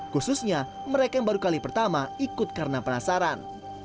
khususnya mereka yang baru kali pertama ikut karena penasaran